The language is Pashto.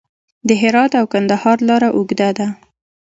د هرات او کندهار لاره اوږده ده